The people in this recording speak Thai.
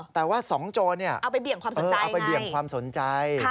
แต่ว่าสองโจรเอาไปเบี่ยงความสนใจ